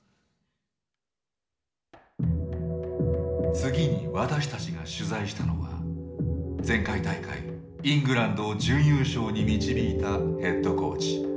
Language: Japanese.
次に私たちが取材したのは前回大会イングランドを準優勝に導いたヘッドコーチ。